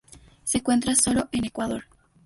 Se encuentra sólo en Ecuador.